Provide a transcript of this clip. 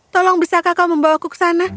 tolong bisa kakak membawaku ke sana